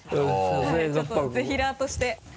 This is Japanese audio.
ちょっとぜひらーとして。